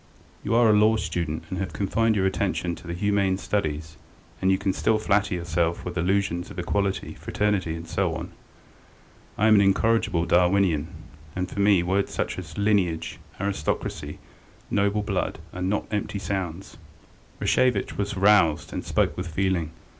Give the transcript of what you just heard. You are a law student and have confined your attention to the humane studies, and you can still flatter yourself with illusions of equality, fraternity, and so on; I am an incorrigible Darwinian, and for me words such as lineage, aristocracy, noble blood, are not empty sounds." Rashevitch was roused and spoke with feeling.